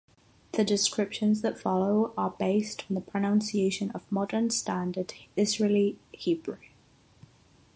The descriptions that follow are based on the pronunciation of modern standard Israeli Hebrew.